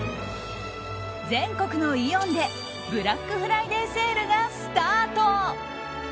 全国のイオンでブラックフライデーセールがスタート。